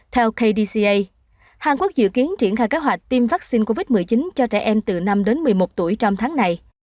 theo kdca hàn quốc dự kiến triển khai kế hoạch tiêm vaccine covid một mươi chín cho trẻ em từ năm đến một mươi một tuổi trong tháng này